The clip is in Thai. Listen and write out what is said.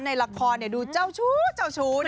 ในละครดูเจ้าชู้เจ้าชู้นะ